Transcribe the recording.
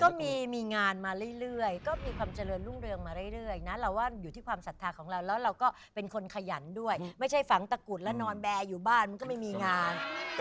ก็มีงานมาเรื่อยก็มีความเจริญรุ่งเรืองมาเรื่อยนะเราว่าอยู่ที่ความศรัทธาของเราแล้วเราก็เป็นคนขยันด้วยไม่ใช่ฝังตะกุดแล้วนอนแบร์อยู่บ้านมันก็ไม่มีงาน